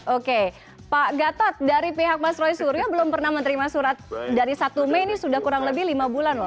oke pak gatot dari pihak mas roy suryo belum pernah menerima surat dari satu mei ini sudah kurang lebih lima bulan loh